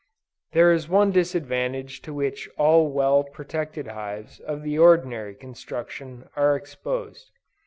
There is one disadvantage to which all well protected hives of the ordinary construction, are exposed.